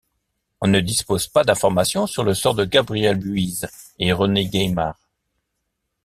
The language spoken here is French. On ne dispose pas d’information sur le sort de Gabriel Buyse et René Gaymard.